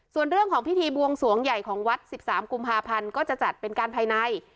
ส่วนเรื่องของพิธีบวงสวงใหญ่ของวัด๑๓กุมภาพันธ์ก็จะจัดเป็นการภายใน